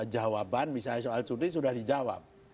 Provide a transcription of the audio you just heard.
jawaban misalnya soal cuti sudah dijawab